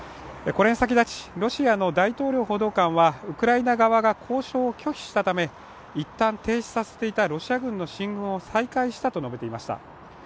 これに先立ちロシアの大統領報道官はウクライナ側が交渉を拒否したためいったん停止させていたロシア軍の進軍を再開したと述べていました。